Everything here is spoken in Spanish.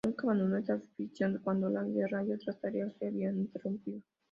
Nunca abandonó esa afición, aunque la guerra y otras tareas la habían interrumpido.